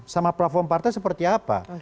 sama platform partai seperti apa